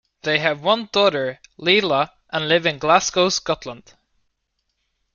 They have one daughter, Lila, and live in Glasgow, Scotland.